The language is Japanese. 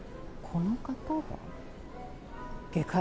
この方が？